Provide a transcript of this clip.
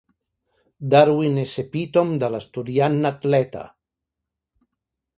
Darwin és epítom de l'estudiant-atleta.